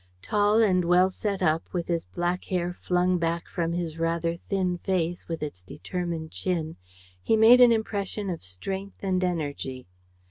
Tall and well set up, with his black hair flung back from his rather thin face, with its determined chin, he made an impression of strength and energy.